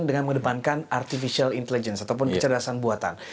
dengan mengedepankan artificial intelligence ataupun kecerdasan buatan